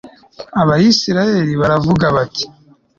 abayisraheli baravuga bati